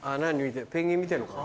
ペンギン見てんのかな。